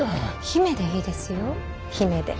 姫でいいですよ姫で。